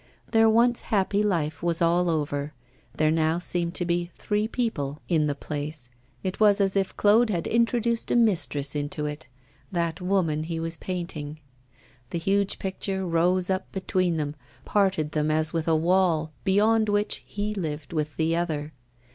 Their once happy life was all over, there now seemed to be three people in the place; it was as if Claude had introduced a mistress into it that woman he was painting. The huge picture rose up between them, parted them as with a wall, beyond which he lived with the other.